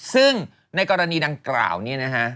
ซึ่งในกรณีดังกล่าวนี้นะฮะ